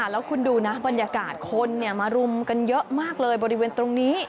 แล้วคุณดูนะบรรยากาศคนมารุมกันเยอะมากเลยบริเวณตรงนี้